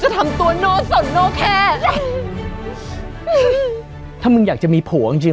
ถ้ามึงอยากจะมีแรง